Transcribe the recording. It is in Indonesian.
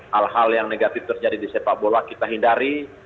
hal hal yang negatif terjadi di sepak bola kita hindari